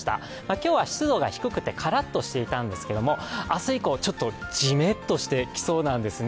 今日は湿度が低くてカラッとしていたんですけれども明日以降、ちょっとジメッとしてきそうなんですね。